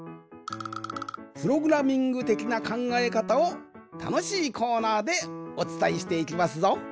プログラミングてきなかんがえかたをたのしいコーナーでおつたえしていきますぞ。